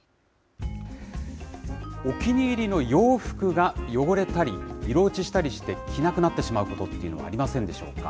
お気に入りの洋服が汚れたり、色落ちしたりして着なくなってしまうことっていうのはありませんでしょうか。